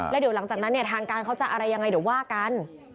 แล้วเดี๋ยวหลังจากนั้นเนี่ยทางการเขาจะอะไรยังไงเดี๋ยวว่ากัน